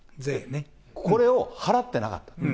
これを払ってなかった。